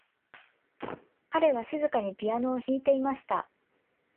彼は静かにピアノを弾いていました。